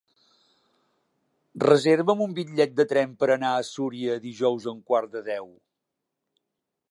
Reserva'm un bitllet de tren per anar a Súria dijous a un quart de deu.